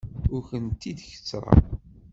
Ur tent-id-kettreɣ.